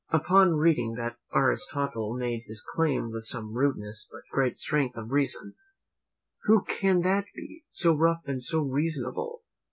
Upon reading that Aristotle made his claim with some rudeness, but great strength of reason; "Who can that be, so rough and so reasonable?